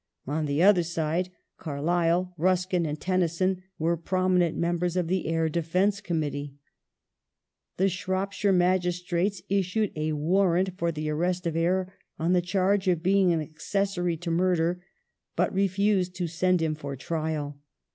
On the other side Carlyle, Ruskin, and Tennyson were prominent members of the Eyre Defence Committee. The Shropshire magi strates issued a warrant for the an est of Eyre on a charge of being an accessory to murder, but refused to send him for trial.